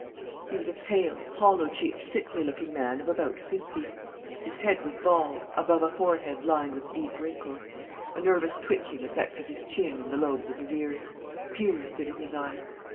He was a pale, hollow cheeked, sickly looking man of about fifty. His head was bald, above a forehead lined with deep wrinkles. A nervous twitching affected his chin and the lobes of his ears. Tears stood in his eyes.